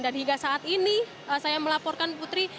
dan hingga saat ini saya melaporkan putri